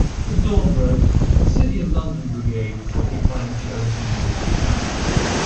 As dawn broke, the City of London Brigade occupied Cheriton Wood.